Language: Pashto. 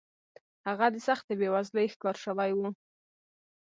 هغه د سختې بېوزلۍ ښکار شوی و.